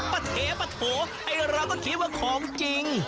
ปะเถปะโถไอ้เราก็คิดว่าของจริง